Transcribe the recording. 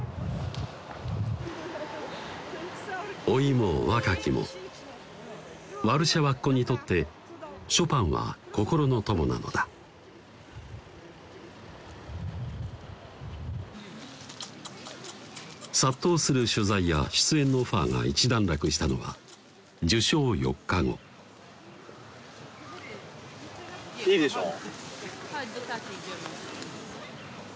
老いも若きもワルシャワっ子にとってショパンは心の友なのだ殺到する取材や出演のオファーが一段落したのは受賞４日後いいでしょう？